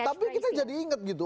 tapi kita jadi inget gitu